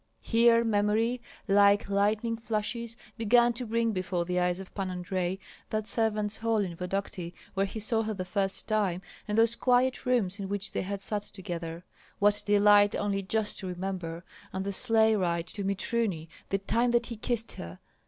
Here memory, like lightning flashes, began to bring before the eyes of Pan Andrei that servants' hall in Vodokty where he saw her the first time, and those quiet rooms in which they had sat together. What delight only just to remember! And the sleigh ride to Mitruny, the time that he kissed her!